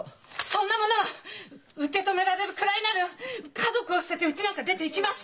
そんなものが受け止められるくらいなら家族を捨ててうちなんか出ていきませんよ！